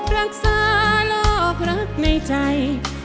รักษาโรครักในใจ